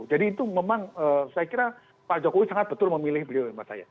jadi itu memang saya kira pak jokowi sangat betul memilih beliau yang memandang saya